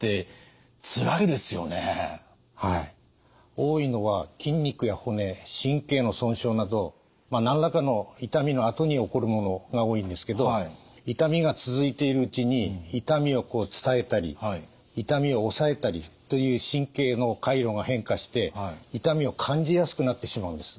多いのは筋肉や骨神経の損傷など何らかの痛みのあとに起こるものが多いんですけど痛みが続いているうちに痛みを伝えたり痛みを抑えたりという神経の回路が変化して痛みを感じやすくなってしまうんです。